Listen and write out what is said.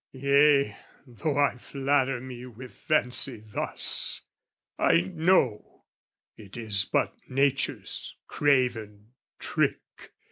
Yea, though I flatter me with fancy thus, I know it is but nature's craven trick.